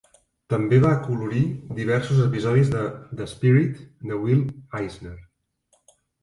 També va acolorir diversos episodis de "The Spirit" de Will Eisner.